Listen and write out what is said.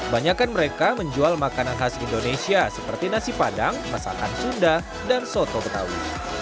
banyakan mereka menjual makanan khas indonesia seperti nasi padang masakan sunda dan soto betawi